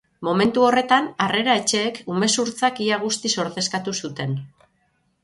Momentu horretan, harrera-etxeek umezurtzak ia guztiz ordezkatu zuten.